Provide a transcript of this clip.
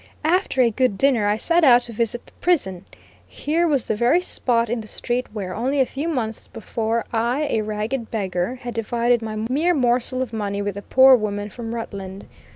After a good dinner I set out to visit the prison. Here was the very spot in the street where, only a few months before, I, a ragged beggar, had divided my mere morsel of money with the poor woman from Rutland.